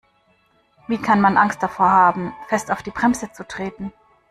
Wie kann man Angst davor haben, fest auf die Bremse zu treten?